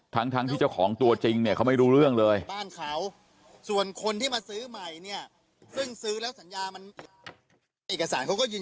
ทั้งที่เจ้าของตัวจริงเนี่ยเขาไม่รู้เรื่องเลย